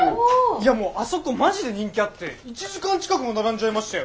いやもうあそこマジで人気あって１時間近くも並んじゃいましたよ。